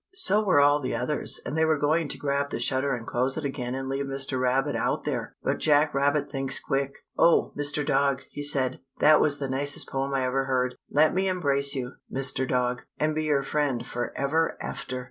So were all the others and they were going to grab the shutter and close it again and leave Mr. Rabbit out there. But Jack Rabbit thinks quick. "Oh Mr. Dog," he said, "that was the nicest poem I ever heard. Let me embrace you, Mr. Dog, and be your friend forever after!"